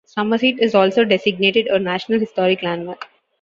Summerseat is also designated a National Historic Landmark.